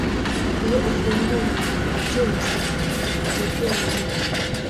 iyo ufunguye ibigenze ugetenge